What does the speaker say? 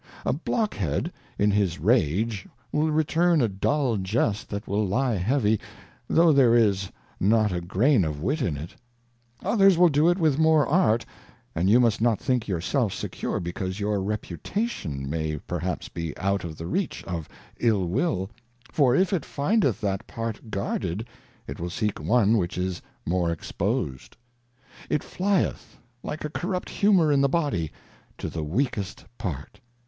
A Blockhead in his Rage will return a dull Jest that will lie heavy, though there is not a Grain of Wit in it. Others will do it with more Art, and you must not think your self secui'e because your Reputation may perhaps be out of the reach of Ill will; for if it findeth that part guarded, it will seek one which is more exposed. It flieth, like a corrupt Humour in the Body, to the weakest Part.